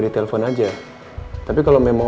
ditelepon aja tapi kalau memang